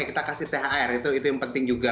ya kita kasih thr itu itu yang penting juga